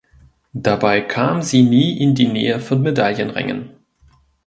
Dabei kam sie nie in die Nähe von Medaillenrängen.